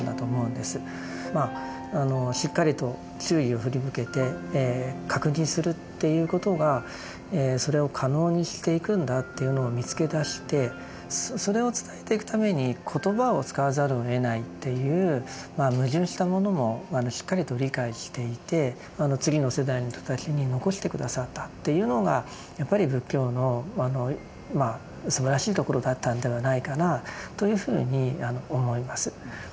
まああのしっかりと注意を振り向けて確認するっていうことがそれを可能にしていくんだというのを見つけ出してそれを伝えていくために言葉を使わざるをえないっていうまあ矛盾したものもしっかりと理解していて次の世代の人たちに残して下さったっていうのがやっぱり仏教のすばらしいところだったんではないかなというふうに思います。